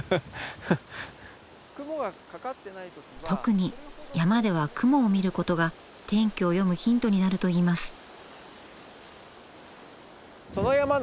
特に山では雲を見ることが天気を読むヒントになるといいます。